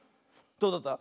どうだった？